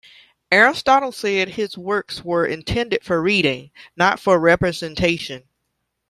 Aristotle said his works were intended for reading, not for representation.